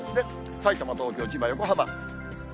さいたま、東京、千葉、横浜。